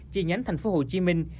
chi nhánh thành phố hồ chí minh